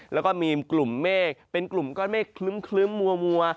แล้วก็มีกลุ่มเมฆเป็นกลุ่มก้อนเมฆคลึ้มมัว